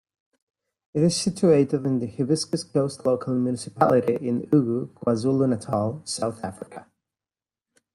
It is situated in the Hibiscus Coast Local Municipality in Ugu, KwaZulu-Natal, South Africa.